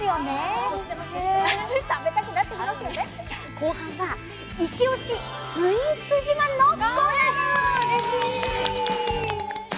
後半は「イチオシスイーツ自慢！」のコーナーです！